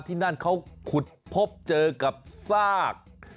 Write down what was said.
ที่นั่นเขาขุดพบเจอกับซาก